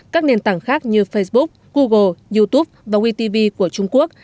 các nền tảng khác như facebook google youtube và wetv của trung quốc